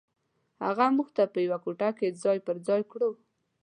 هغه موږ په یوه کوټه کې ځای پر ځای کړو.